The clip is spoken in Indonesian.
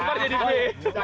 kalau dilepar jadi b